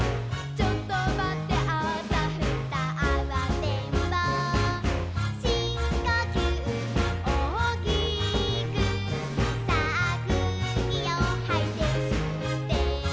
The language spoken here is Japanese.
「ちょっとまってあたふたあわてんぼう」「しんこきゅうおおきくさあくうきをはいてすって」